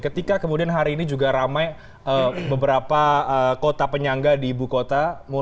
ketika kemudian hari ini juga ramai beberapa kota penyangga di ibu kota